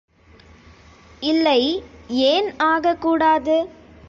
இல்லை, ஏன் ஆகக்கூடாது?.....